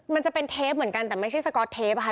มันจะเป็นเทปเหมือนกันแต่ไม่ใช่สก๊อตเทปค่ะ